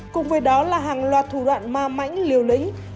cùng với đó là hàng loạt thủ đoạn ma mãnh liều lĩnh